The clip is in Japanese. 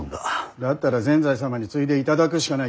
だったら善哉様に継いでいただくしかない。